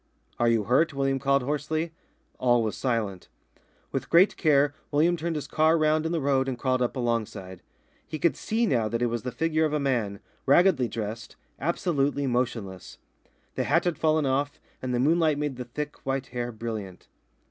"Are you hurt?" William called hoarsely. All was silent. With great care William turned his car round in the road and crawled up alongside. He could see now that it was the figure of a man, raggedly dressed, absolutely motionless. The hat had fallen off, and the moonlight made the thick, white hair brilliant.